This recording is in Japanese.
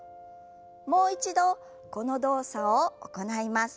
もう一度この動作を行います。